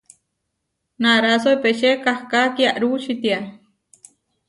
Naráso epečé kahká kiarú čitiá.